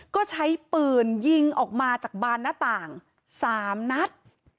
ก็ใช้ปืนยิงออกมาจากบานหน้าต่าง๓นัด